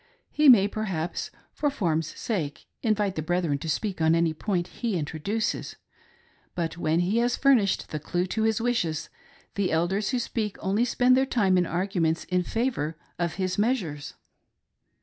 He may perhaps for form's sake invite the brethren to speak on any point he introduces ; but when he has furnished the clew to his wishes, the Elders who speak only spend their time in arguments in favor of his measures.